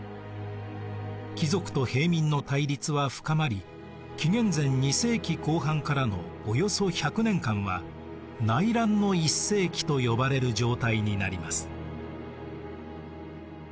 貴族と平民の対立は深まり紀元前２世紀後半からのおよそ１００年間は内乱の１世紀と呼ばれる状態になります。